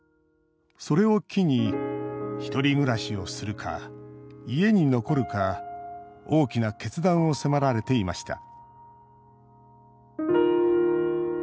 それを機に１人暮らしをするか、家に残るか大きな決断を迫られていました。